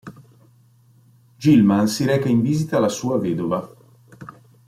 Gilman si reca in visita alla sua vedova.